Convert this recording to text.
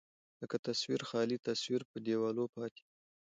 لکه تصوير، خالي تصوير په دېواله پاتې يم